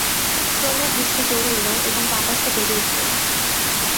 ক্রমে বৃষ্টি জোরে এল এবং বাতাসও বেড়ে উঠল।